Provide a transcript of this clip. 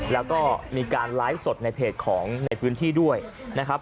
แล้วก็มีการไลฟ์สดในเพจของในพื้นที่ด้วยนะครับ